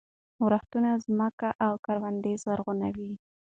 ورښتونه ځمکې او کروندې زرغونوي.